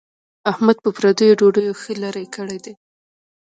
احمد په پردیو ډوډیو ښه لری کړی دی.